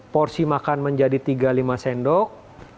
porsi makan menjadi tiga puluh lima sendok